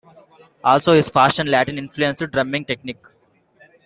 Also his fast and Latin influenced drumming technique.